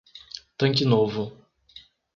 Tanque Novo